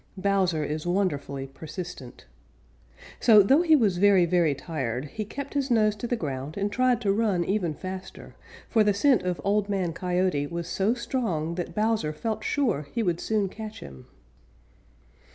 Bowser is wonderfully persistent. So, though he was very, very tired, he kept his nose to the ground and tried to run even faster, for the scent of Old Man Coyote was so strong that Bowser felt sure he would soon catch him.